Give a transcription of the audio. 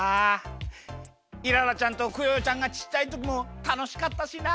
イララちゃんとクヨヨちゃんがちっちゃいときもたのしかったしな。